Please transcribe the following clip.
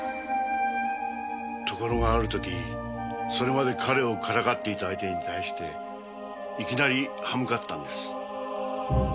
ところがある時それまで彼をからかっていた相手に対していきなり刃向かったんです。